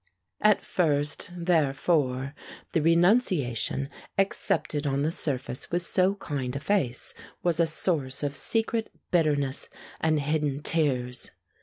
At first, therefore, the renunciation, accepted on the surface with so kind a face, was a source of secret bitterness and hidden tears.